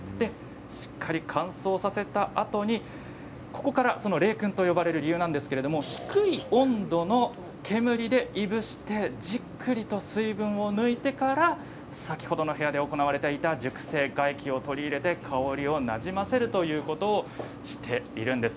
しっかり乾燥させたあとにここから冷くんと呼ばれる理由なんですけれど低い温度の煙でいぶしてじっくりと水分を抜いてから先ほどの部屋で行われていた熟成外気を取り込んで香りをなじませるということをしているんです。